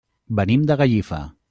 Venim de Gallifa.